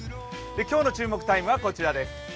今日の注目タイムはこちらです。